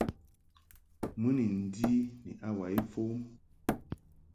Mɨ ni ndi ni hour ifɔm.